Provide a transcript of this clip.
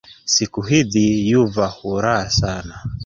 Siku hidhi yuva huraa sana